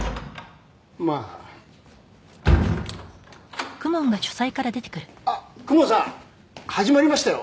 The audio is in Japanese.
まああっ公文さん始まりましたよ